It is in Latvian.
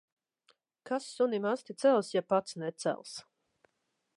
Kas sunim asti cels, ja pats necels.